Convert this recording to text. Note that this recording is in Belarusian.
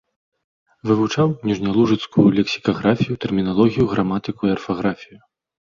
Вывучаў ніжнялужыцкую лексікаграфію, тэрміналогію, граматыку і арфаграфію.